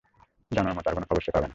জানানোর মত আর কোন খবর সে পাবে না।